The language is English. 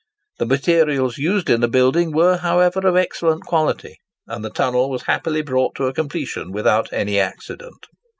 The materials used in the building were, however, of excellent quality; and the tunnel was happily brought to a completion without any accident.